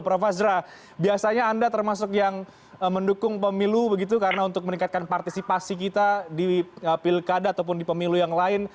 prof azra biasanya anda termasuk yang mendukung pemilu begitu karena untuk meningkatkan partisipasi kita di pilkada ataupun di pemilu yang lain